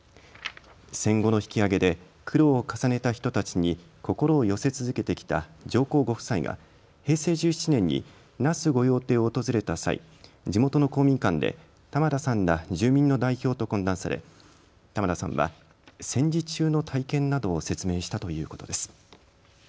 戦後の引き揚げで苦労を重ねた人たちに心を寄せ続けてきた上皇ご夫妻が平成１７年に那須御用邸を訪れた際、地元の公民館で玉田さんら住民の代表と懇談され玉田さんは戦時中の体験などを説明したということです。